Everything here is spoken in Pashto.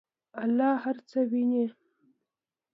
الله هر څه ویني.